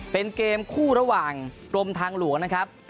เป็นเกมคู่ระหว่างกรมทางหลวงนะครับ